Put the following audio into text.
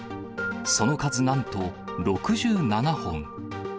その数なんと６７本。